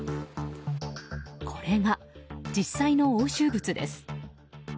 これが実際の押収物です。